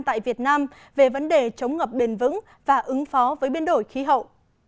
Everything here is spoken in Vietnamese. tại việt nam về vấn đề chống ngập bền vững và ứng phó với biến đổi khí hậu